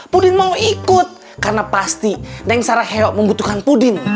pudin mau ikut karena pasti neng saraheyo membutuhkan pudin